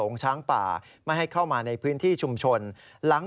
คนช้างป่ามาให้เข้ามาในพื้นที่ชุมชน